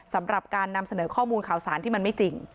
สำหรับการนำเสนอข้อมูลข่าวสารที่มันไม่จริง